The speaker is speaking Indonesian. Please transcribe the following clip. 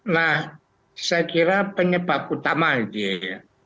nah saya kira penyebabnya